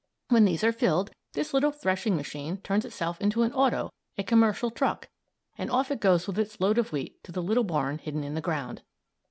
When these are filled, this little threshing machine turns itself into an auto, a commercial truck, and off it goes with its load of wheat to the little barn hidden in the ground.